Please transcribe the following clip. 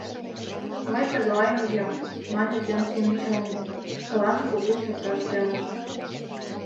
Мый тыглайым йӱам, — мане земский начальник, шкаланже кугу чаркаш темыш.